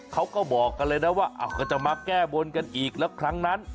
เขาก็บอกกันเลยนะว่าก็จะมาแก้บนกันอีกแล้วครั้งนั้น